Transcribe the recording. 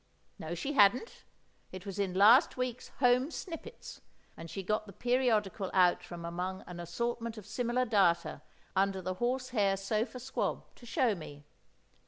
No, she hadn't; it was in last week's Home Snippets, and she got the periodical out from among an assortment of similar data under the horse hair sofa squab, to show me.